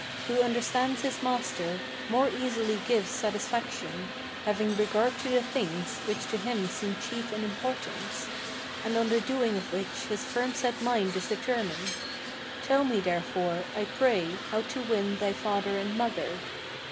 Who understands his master, more easily gives satisfaction, Having regard to the things which to him seem chief in importance, And on the doing of which his firm set mind is determined. Tell me therefore, I pray, how to win thy father and mother."